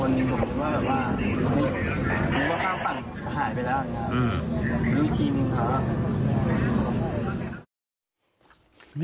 หนึ่งคนบอกว่าหายไปแล้วดูทีนึงค่ะ